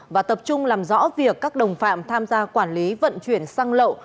và tập trung làm rõ việc các đồng phạm tham gia quản lý vận chuyển xăng lậu